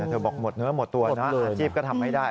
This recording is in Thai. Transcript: เธอบอกหมดเนื้อหมดตัวนะอาชีพก็ทำไม่ได้